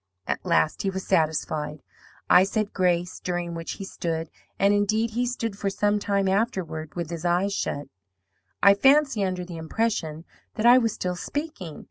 "At last he was satisfied. I said grace, during which he stood, and, indeed, he stood for some time afterward with his eyes shut I fancy under the impression that I was still speaking.